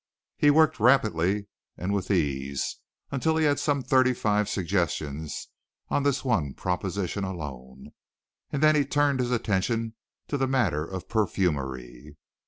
He worked rapidly and with ease until he had some thirty five suggestions on this one proposition alone, and then he turned his attention to the matter of the perfumery.